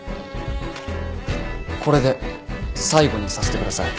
これで最後にさせてください。